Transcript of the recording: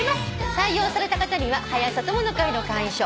採用された方には「はや朝友の会」の会員証そして。